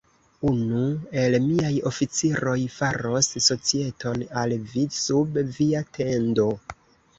Unu el miaj oficiroj faros societon al vi sub via tendo.